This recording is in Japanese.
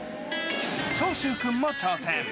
長州君も挑戦。